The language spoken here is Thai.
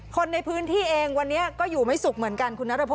คนในพื้นที่เองวันนี้ก็อยู่ไม่สุขเหมือนกันคุณนัทพง